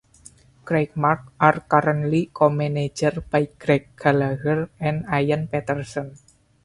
Craigmark are currently co-managed by Greg Gallagher and Ian Patterson.